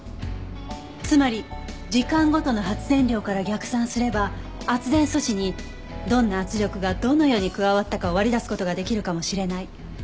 つまり時間ごとの発電量から逆算すれば圧電素子にどんな圧力がどのように加わったかを割り出す事ができるかもしれない。